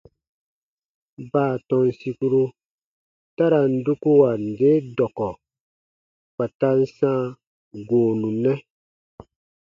Baatɔn sìkuru ta ra n dukuwa nde dɔkɔ kpa ta n sãa goonu nɛ.